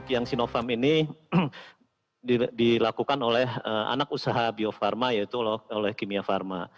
yang sino farm ini dilakukan oleh anak usaha bio farma yaitu oleh kimia farma